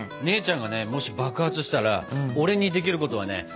姉ちゃんがねもし爆発したら俺にできることはね